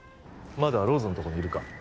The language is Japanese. まだローズのとこにいるか？